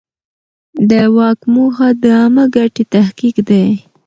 د واک موخه د عامه ګټې تحقق دی.